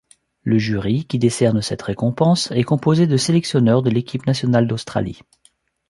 Le jury, qui décerne cette récompense, est composé de sélectionneurs de l'équipe nationale d'Australie.